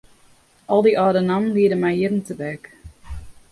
Al dy âlde nammen liede my jierren tebek.